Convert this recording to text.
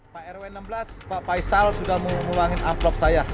pak rw enam belas pak faisal sudah mengulangi amplop saya